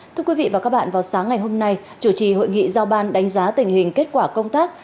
thưa quý vị và các bạn vào sáng ngày hôm nay chủ trì hội nghị giao ban đánh giá tình hình kết quả công tác